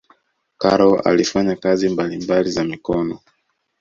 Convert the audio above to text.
karol alifanya kazi mbalimbali za mikono